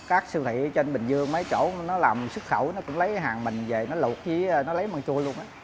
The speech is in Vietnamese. các siêu thị trên bình dương mấy chỗ nó làm xuất khẩu nó cũng lấy hàng mịn về nó lột với nó lấy măng chua luôn